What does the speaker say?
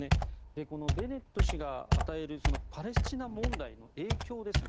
このベネット氏が与えるパレスチナ問題の影響ですね。